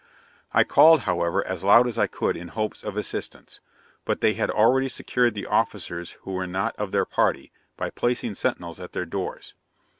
I called, however, as loud as I could in hopes of assistance; but they had already secured the officers who were not of their party, by placing sentinels at their doors.